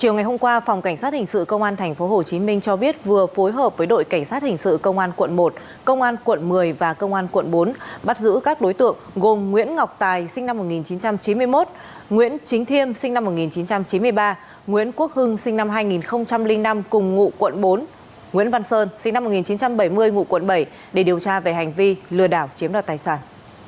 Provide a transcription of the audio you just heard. ngày hôm qua phòng cảnh sát hình sự công an tp hcm cho biết vừa phối hợp với đội cảnh sát hình sự công an quận một công an quận một mươi và công an quận bốn bắt giữ các đối tượng gồm nguyễn ngọc tài sinh năm một nghìn chín trăm chín mươi một nguyễn chính thiêm sinh năm một nghìn chín trăm chín mươi ba nguyễn quốc hưng sinh năm hai nghìn năm cùng ngụ quận bốn nguyễn văn sơn sinh năm một nghìn chín trăm bảy mươi ngụ quận bảy để điều tra về hành vi lừa đảo chiếm đoạt tài sản